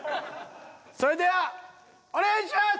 それではお願いします！